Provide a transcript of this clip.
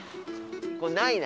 これないな！